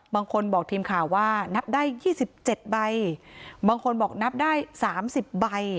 บางคนบอกทีมข่าวว่านับได้ยี่สิบเจ็ดใบบางคนบอกนับได้สามสิบใบ